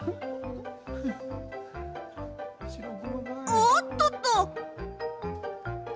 おっとっと。